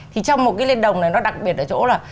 thì trong một cái liên đồng này nó đặc biệt ở chỗ là